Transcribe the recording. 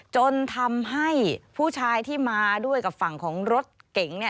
จนทำให้ผู้ชายที่มาด้วยกับฝั่งของรถเก๋ง